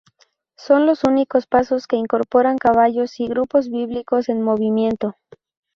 Son los únicos pasos que incorporan caballos y grupos bíblicos en movimiento.